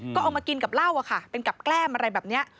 ก็เอามากินกับเหล้าอะค่ะเป็นกับแกล้มอะไรแบบนี้